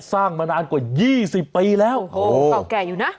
สร้างมานานกว่า๒๐ปีแล้วโอ้เก่าแก่อยู่นะ